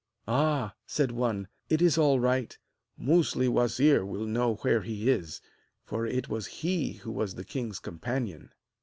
'Ah!' said one, 'it is all right! Musli wazir will know where he is, for it was he who was the king's companion.'